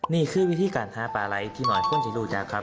นี่คือวิธีการหาปลาไหล่ที่หน่อยคุณจะรู้จักครับ